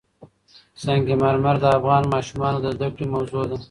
سنگ مرمر د افغان ماشومانو د زده کړې موضوع ده.